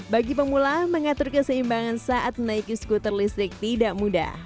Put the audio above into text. bagi pemula mengatur keseimbangan saat menaiki skuter listrik tidak mudah